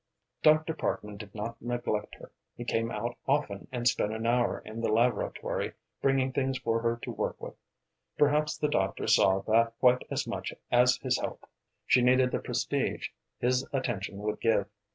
Dr. Parkman did not neglect her. He came out often and spent an hour in the laboratory, bringing things for her to work with. Perhaps the doctor saw that quite as much as his help, she needed the prestige his attention would give.